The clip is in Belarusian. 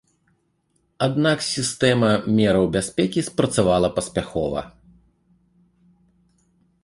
Аднак сістэма мераў бяспекі спрацавала паспяхова.